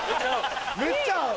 めちゃ合う？